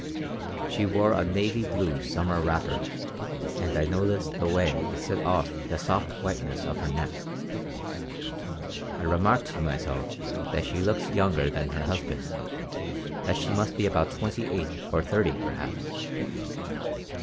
She wore a navy blue summer wrapper and I noticed the way it set off the soft whiteness of her neck. I remarked to myself that she looked younger than her husband, that she must be about twenty eight or thirty, perhaps.